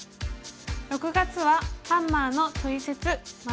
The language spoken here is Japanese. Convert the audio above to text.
６月は「ハンマーのトリセツ③」。